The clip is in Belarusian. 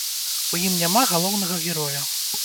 У ім няма галоўнага героя.